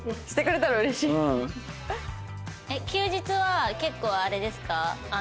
休日は結構あれですか？